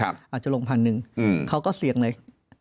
อาจจะลง๑๐๐๐เขาก็เสียงเลย